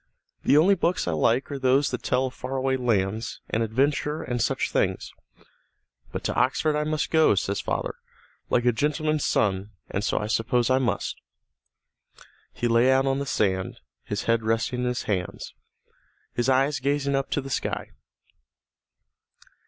The only books I like are those that tell of far away lands and adventures and such things. But to Oxford I must go, says father, like a gentleman's son, and so I suppose I must." He lay out on the sand, his head resting in his hands, his eyes gazing up to the sky.